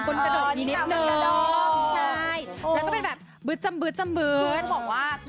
กับเพลงที่มีชื่อว่ากี่รอบก็ได้